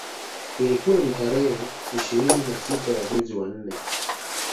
Ilikuwa ni tarehe ishirini na sita ya mwezi wa nne